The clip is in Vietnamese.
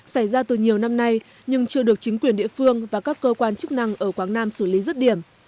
xảy ra từ nhiều năm nay nhưng chưa được chính quyền địa phương và các cơ quan chức năng ở quảng nam phát hiện